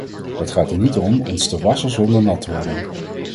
Het gaat er niet om ons te wassen zonder nat te worden.